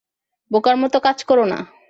বোকার মতো কাজ করো না।